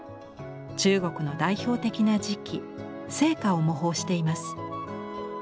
中国の代表的な磁器青花を模倣しています。